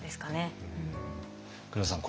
黒田さん